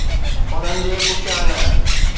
انهن جي پٺيان نه